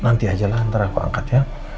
nanti aja lah antara aku angkat ya